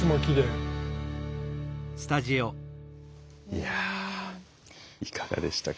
いやあいかがでしたか？